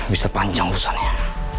bisa panjang urusannya